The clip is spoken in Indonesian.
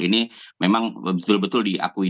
ini memang betul betul diakui